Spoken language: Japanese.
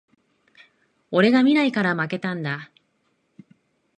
俺が見ないから負けたんだ